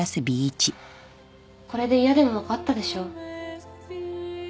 これで嫌でも分かったでしょ？